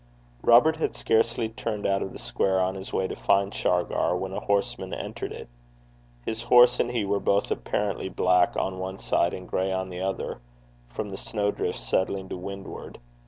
Robert had scarcely turned out of the square on his way to find Shargar, when a horseman entered it. His horse and he were both apparently black on one side and gray on the other, from the snow drift settling to windward.